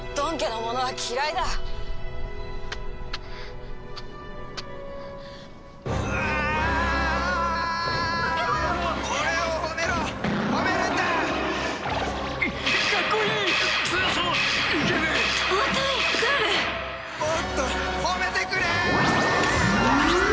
もっと褒めてくれ！